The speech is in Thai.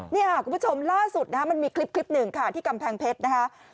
นี่คุณผู้ชมล่าสุดมันมีคลิป๑ค่ะที่กำแพงเพชรนะครับ